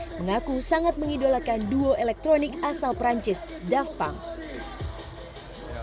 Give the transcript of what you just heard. mengaku sangat mengidolakan duo elektronik asal perancis dav punk